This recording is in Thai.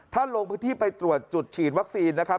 ลงพื้นที่ไปตรวจจุดฉีดวัคซีนนะครับ